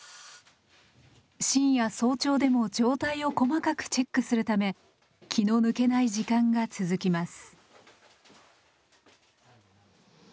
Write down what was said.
深夜早朝でも状態を細かくチェックするため気の抜けない時間が続きます。